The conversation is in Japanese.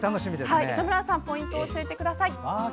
磯村さんポイント教えてください。